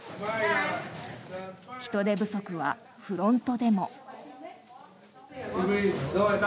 人手不足はフロントでも。